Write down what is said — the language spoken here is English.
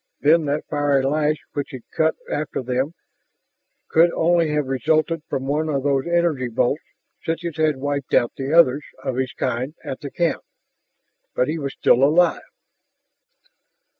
Then that fiery lash which had cut after them could only have resulted from one of those energy bolts such as had wiped out the others of his kind at the camp. But he was still alive